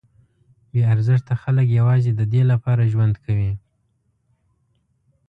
بې ارزښته خلک یوازې ددې لپاره ژوند کوي.